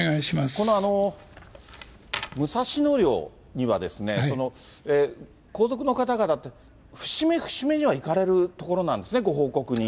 この武蔵野陵には、皇族の方々、節目節目には行かれるところなんですね、ご報告に。